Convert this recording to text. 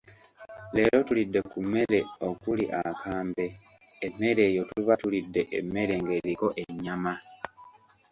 Leero tulidde ku mmere okuli akambe, emmere eyo tuba tulidde emmere ng'eriko ennyama.